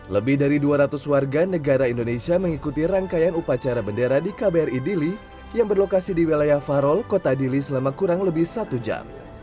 lebih dari dua ratus warga negara indonesia mengikuti rangkaian upacara bendera di kbri dili yang berlokasi di wilayah farol kota dili selama kurang lebih satu jam